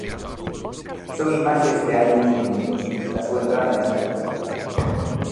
Son imaxes de hai uns minutos, da súa entrada nese acto electoral.